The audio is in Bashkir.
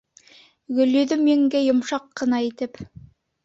Гөлйөҙөм еңгә йомшаҡ ҡына итеп: